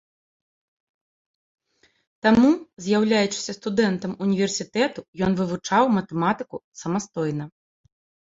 Таму, з'яўляючыся студэнтам універсітэту, ён вывучаў матэматыку самастойна.